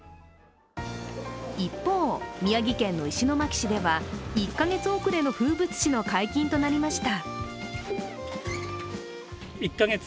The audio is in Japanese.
一方、宮城県の石巻市では１か月遅れの風物詩の解禁となりました。